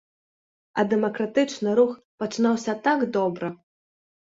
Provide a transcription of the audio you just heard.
А дэмакратычны рух пачынаўся так добра.